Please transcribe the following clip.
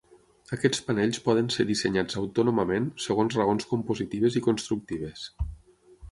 Aquests panells poden ser dissenyats autònomament segons raons compositives i constructives.